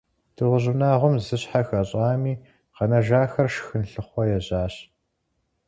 Дыгъужь унагъуэм зы щхьэ хэщӀами, къэнэжахэр шхын лъыхъуэ ежьащ.